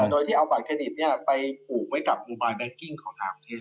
โดยที่เอาบัตรเครดิตไปผูกไว้กับอุบายแบกิ้งของหางเอง